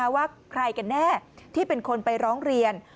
ว่าใครกันแน่ที่เป็นคนไปร้องเรียน